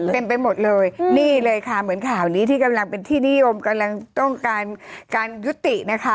ไปหมดเลยนี่เลยค่ะเหมือนข่าวนี้ที่กำลังเป็นที่นิยมกำลังต้องการการยุตินะคะ